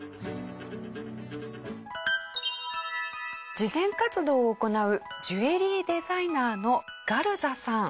慈善活動を行うジュエリーデザイナーのガルザさん。